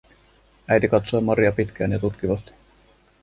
Äiti katsoi Maria pitkään ja tutkivasti.